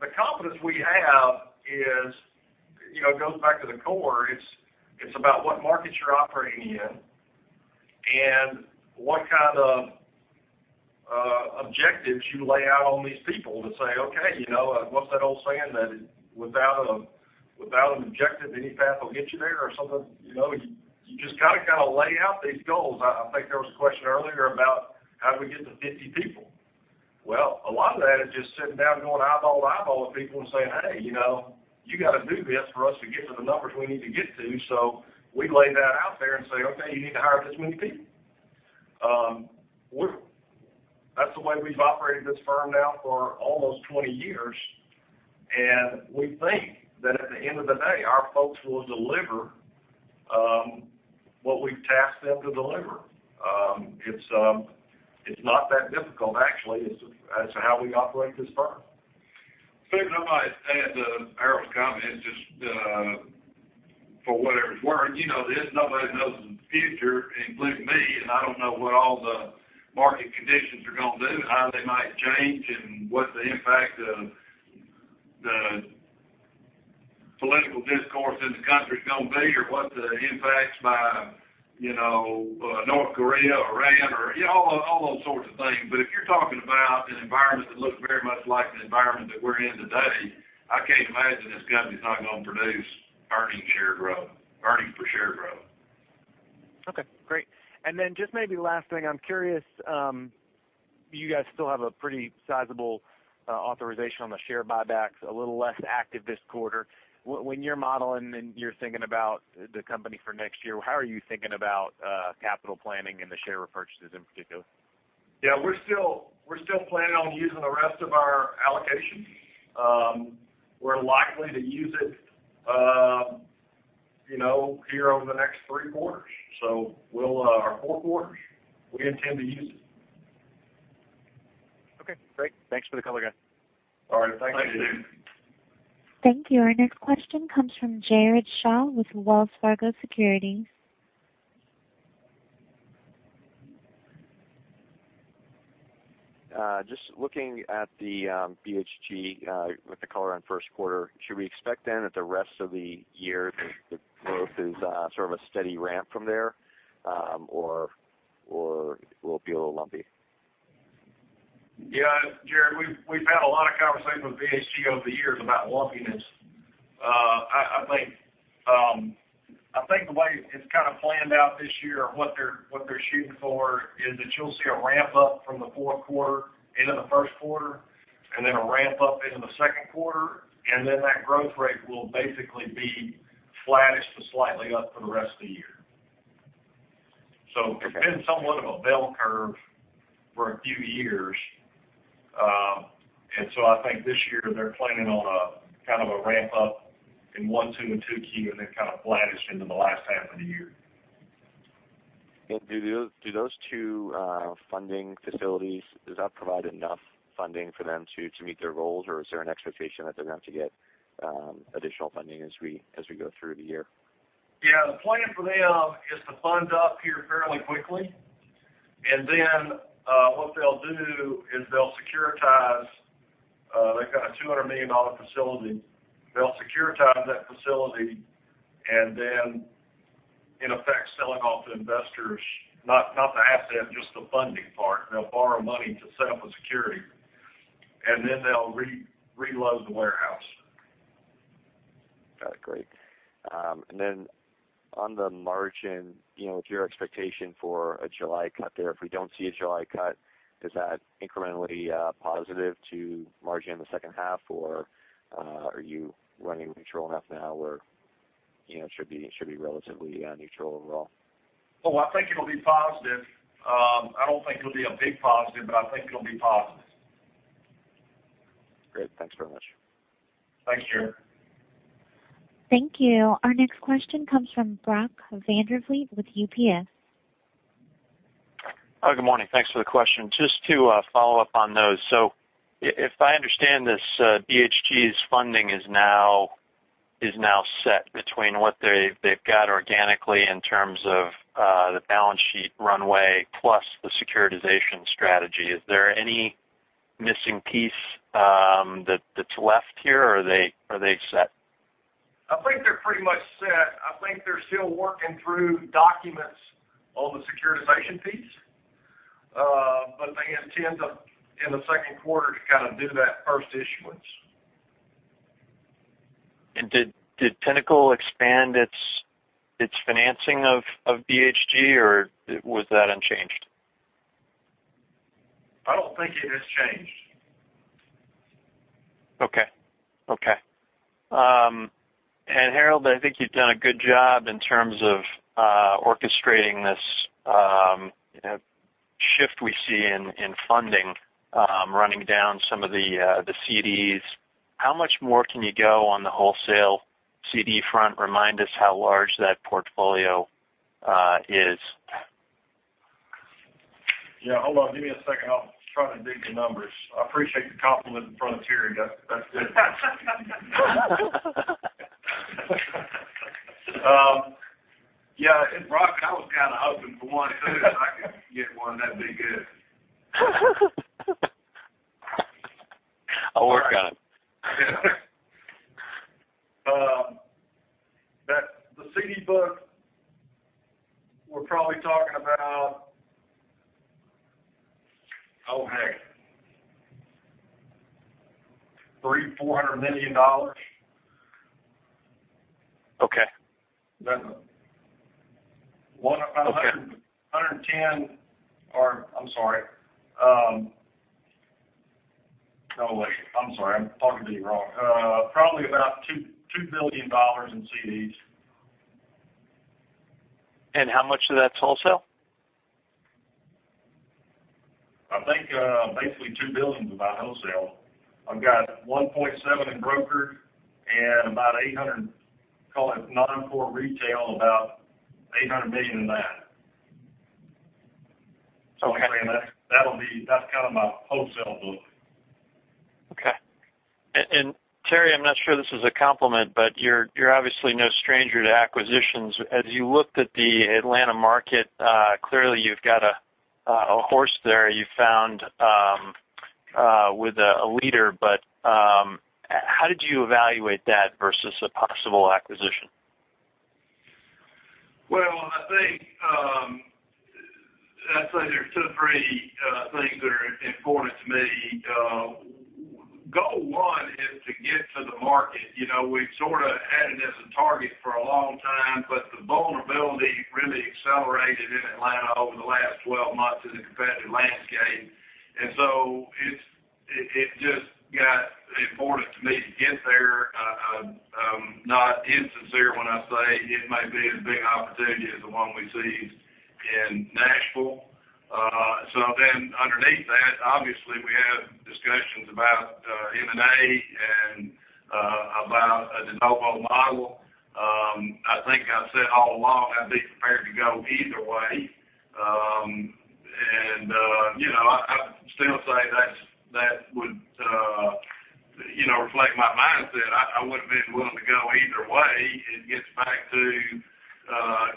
The confidence we have is, it goes back to the core, it's about what markets you're operating in and what kind of objectives you lay out on these people to say, okay, what's that old saying? That without an objective, any path will get you there or something. You just got to lay out these goals. I think there was a question earlier about how do we get to 50 people. A lot of that is just sitting down going eyeball to eyeball with people and saying, "Hey, you got to do this for us to get to the numbers we need to get to." We lay that out there and say, "Okay, you need to hire this many people." That's the way we've operated this firm now for almost 20 years, and we think that at the end of the day, our folks will deliver what we've tasked them to deliver. It's not that difficult, actually, as to how we operate this firm. I might add to Harold's comment, just for whatever it's worth. Nobody knows the future, including me, and I don't know what all the market conditions are going to do, how they might change, and what the impact of the political discourse in the country's going to be or what the impacts by North Korea, Iran, or all those sorts of things. If you're talking about an environment that looks very much like the environment that we're in today, I can't imagine this company's not going to produce earnings per share growth. Okay, great. Just maybe last thing, I'm curious, you guys still have a pretty sizable authorization on the share buybacks, a little less active this quarter. When you're modeling and you're thinking about the company for next year, how are you thinking about capital planning and the share repurchases in particular? Yeah, we're still planning on using the rest of our allocation. We're likely to use it here over the next three quarters. Or four quarters, we intend to use it. Okay, great. Thanks for the color, guys. All right. Thank you. Thanks. Thank you. Our next question comes from Jared Shaw with Wells Fargo Securities. Just looking at the BHG with the color on first quarter, should we expect then that the rest of the year, the growth is sort of a steady ramp from there, or will it be a little lumpy? Yeah, Jared, we've had a lot of conversation with BHG over the years about lumpiness. I think the way it's kind of planned out this year, what they're shooting for is that you'll see a ramp-up from the fourth quarter into the first quarter, and then a ramp-up into the second quarter, and then that growth rate will basically be flattish to slightly up for the rest of the year. Okay. It's been somewhat of a bell curve for a few years. I think this year they're planning on a kind of a ramp-up in one-time in Q2, and then kind of flattish into the last half of the year. Do those two funding facilities, does that provide enough funding for them to meet their goals? Or is there an expectation that they're going to have to get additional funding as we go through the year? Yeah. The plan for them is to fund up here fairly quickly, and then what they'll do is they'll securitize. They've got a $200 million facility. They'll securitize that facility and then in effect selling off to investors, not the asset, just the funding part. They'll borrow money to set up a security, and then they'll reload the warehouse. Got it. Great. On the margin, with your expectation for a July cut there, if we don't see a July cut, is that incrementally positive to margin in the second half, or are you running neutral enough now where it should be relatively neutral overall? Oh, I think it'll be positive. I don't think it'll be a big positive, but I think it'll be positive. Great. Thanks very much. Thanks, Jared. Thank you. Our next question comes from Brock Vandervliet with UBS. Oh, good morning. Thanks for the questions. Just to follow up on those. If I understand this, BHG's funding is now set between what they've got organically in terms of the balance sheet runway plus the securitization strategy. Is there any missing piece that's left here, or are they set? I think they're pretty much set. I think they're still working through documents on the securitization piece. They intend to, in the second quarter, to kind of do that first issuance. Did Pinnacle expand its financing of BHG, or was that unchanged? I don't think it has changed. Okay. Harold, I think you've done a good job in terms of orchestrating this shift we see in funding, running down some of the CDs. How much more can you go on the wholesale CD front? Remind us how large that portfolio is. Yeah, hold on, give me a second. I'll try to dig the numbers. I appreciate the compliment in front of Terry. That's good. Yeah. Brock, I was kind of hoping for one too. If I could get one, that'd be good. I'll work on it. The CD book, we're probably talking about. Three, $400 million. Okay. About 110. I'm sorry. No, wait. I'm sorry. I'm talking to you wrong. Probably about $2 billion in CDs. How much of that's wholesale? I think basically $2 billion is about wholesale. I've got $1.7 in brokered and about $800, call it non-core retail, about $800 million in that. Okay. That's kind of my wholesale book. Okay. Terry, I'm not sure this is a compliment, but you're obviously no stranger to acquisitions. As you looked at the Atlanta market, clearly you've got a horse there you found with a leader, but how did you evaluate that versus a possible acquisition? I'd say there's two, three things that are important to me. Goal one is to get to the market. We've sort of had it as a target for a long time, but the vulnerability really accelerated in Atlanta over the last 12 months in the competitive landscape. It just got important to me to get there. I'm not insincere when I say it may be as big an opportunity as the one we seized in Nashville. Underneath that, obviously, we had discussions about M&A and about a de novo model. I've said all along, I'd be prepared to go either way. I still say that would reflect my mindset. I would've been willing to go either way. It gets back to,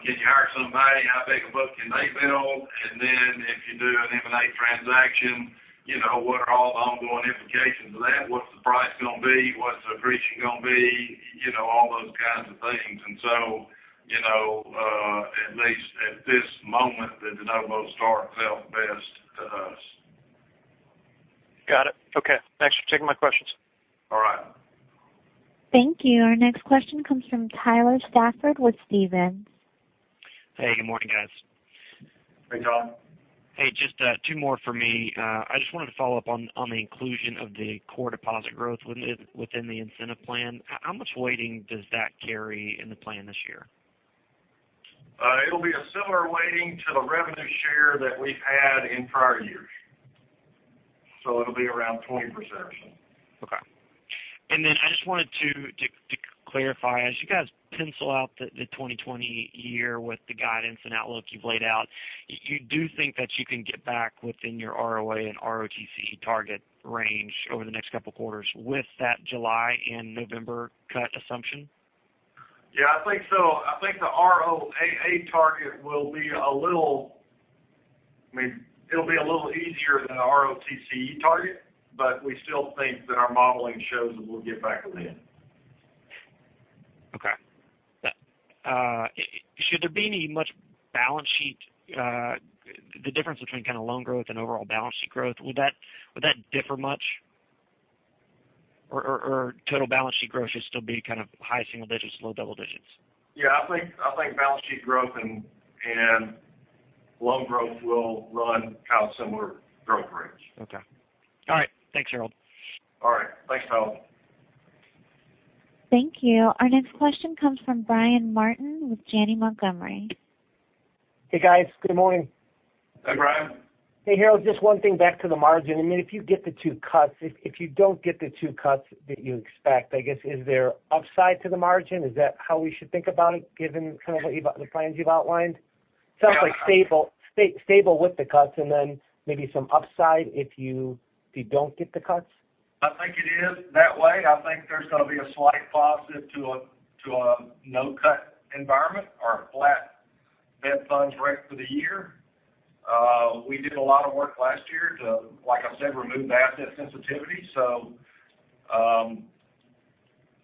can you hire somebody? How big a book can they build? If you do an M&A transaction, what are all the ongoing implications of that? What's the price going to be? What's the accretion going to be? All those kinds of things. At least at this moment, the de novo start felt best to us. Got it. Okay. Thanks for taking my questions. All right. Thank you. Our next question comes from Tyler Stafford with Stephens. Hey, good morning, guys. Hey, Tyler. Hey, just two more for me. I just wanted to follow up on the inclusion of the core deposit growth within the incentive plan. How much weighting does that carry in the plan this year? It'll be a similar weighting to the revenue share that we've had in prior years. It'll be around 20% or so. Okay. I just wanted to clarify, as you guys pencil out the 2020 year with the guidance and outlook you've laid out, you do think that you can get back within your ROA and ROTCE target range over the next couple of quarters with that July and November cut assumption? Yeah, I think so. I think the ROAA target will be a little easier than the ROTCE target. We still think that our modeling shows that we'll get back within. Okay. Should there be any much balance sheet, the difference between kind of loan growth and overall balance sheet growth, would that differ much? Total balance sheet growth should still be kind of high single digits, low double digits? Yeah, I think balance sheet growth and loan growth will run kind of similar growth rates. Okay. All right. Thanks, Harold. All right. Thanks, Tyler. Thank you. Our next question comes from Brian Martin with Janney Montgomery. Hey, guys. Good morning. Hey, Brian. Hey, Harold, just one thing back to the margin. If you don't get the two cuts that you expect, I guess, is there upside to the margin? Is that how we should think about it, given the plans you've outlined? Sounds like stable with the cuts, and then maybe some upside if you don't get the cuts? I think it is that way. I think there's going to be a slight positive to a no-cut environment or a flat Fed funds rate for the year. We did a lot of work last year to, like I said, remove asset sensitivity.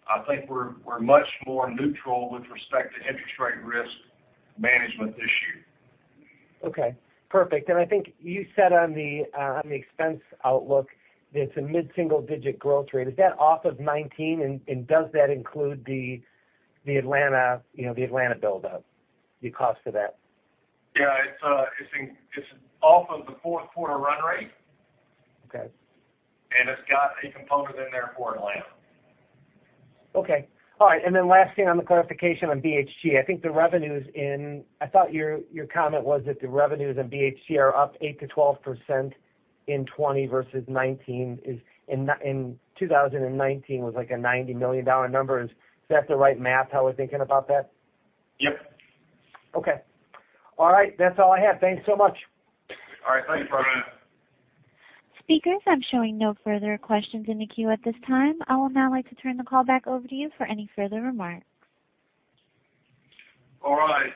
I think we're much more neutral with respect to interest rate risk management this year. Okay. Perfect. I think you said on the expense outlook, it's a mid-single-digit growth rate. Is that off of 2019? Does that include the Atlanta buildup, the cost of that? Yeah, it's off of the fourth quarter run rate. Okay. It's got a component in there for Atlanta. Okay. All right. Last thing on the clarification on BHG. I thought your comment was that the revenues in BHG are up 8%-12% in 2020 versus 2019. In 2019 was like a $90 million number. Is that the right math how we're thinking about that? Yep. Okay. All right. That's all I have. Thanks so much. All right. Thanks, Brian. Speakers, I'm showing no further questions in the queue at this time. I will now like to turn the call back over to you for any further remarks. All right.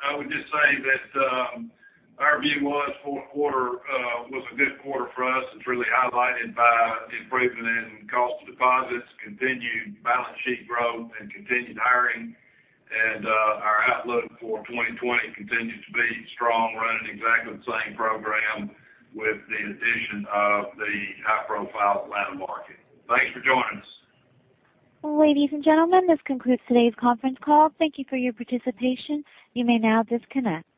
I would just say that our view was fourth quarter was a good quarter for us. It's really highlighted by improvement in cost deposits, continued balance sheet growth, and continued hiring. Our outlook for 2020 continues to be strong, running exactly the same program with the addition of the high-profile Atlanta market. Thanks for joining us. Ladies and gentlemen, this concludes today's conference call. Thank you for your participation. You may now disconnect.